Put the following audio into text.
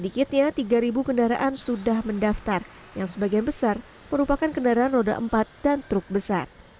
sedikitnya tiga kendaraan sudah mendaftar yang sebagian besar merupakan kendaraan roda empat dan truk besar